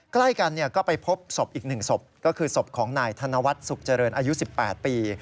ใกล้กันก็ไปพบศพอีก๑ศพก็คือศพของนายธนวัฒน์สุขเจริญอายุ๑๘ปี